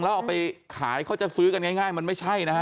แล้วเอาไปขายเขาจะซื้อกันง่ายมันไม่ใช่นะฮะ